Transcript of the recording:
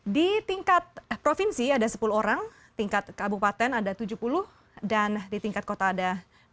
di tingkat provinsi ada sepuluh orang tingkat kabupaten ada tujuh puluh dan di tingkat kota ada dua puluh